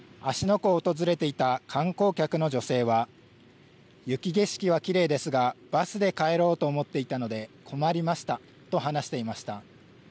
湖を訪れていた観光客の女性は雪景色はきれいですがバスで帰ろうと思っていたので困りましたと話していました。